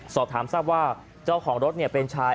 สอบถามทราบว่าเจ้าของรถเป็นชาย